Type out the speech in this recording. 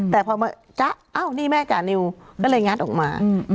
แต่พอมาจ๊ะอ้าวนี่แม่จานิวก็เลยงัดออกมา